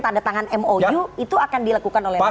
tanda tangan mou itu akan dilakukan oleh mas ahayi